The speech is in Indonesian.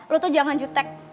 lo tuh jangan jutek